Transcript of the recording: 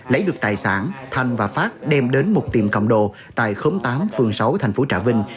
lấy được tài sản thanh và phát đem đến một tiệm cầm đồ tại khóm tám phường sáu thành phố trà vinh